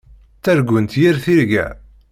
Ttargunt yir tirga.